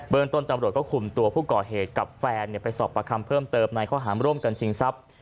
ต้นตำรวจก็คุมตัวผู้ก่อเหตุกับแฟนไปสอบประคำเพิ่มเติมในข้อหารร่วมกันชิงทรัพย์